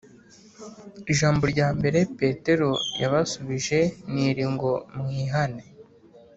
Ijambo rya mbere Petero yabasubije niri ngo”Mwihane”